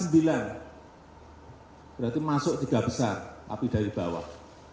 berarti masuk tiga besar tapi dari bawah